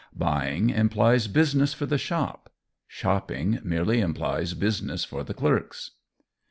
Buying implies business for the shop; shopping merely implies business for the clerks.